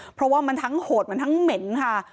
เพราะว่ามันทั้งโหดมันทั้งเหม็นค่ะ